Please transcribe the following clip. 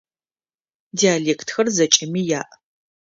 Диалектхэр зэкӏэми яӏ.